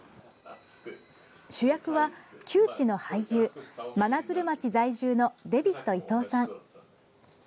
主役は、旧知の俳優真鶴町在住のデビット伊東さん。